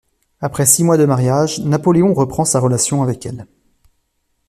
Après six mois de mariage, Napoléon reprend sa relation avec elle.